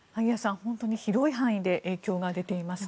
本当に広い範囲で影響が出ていますね。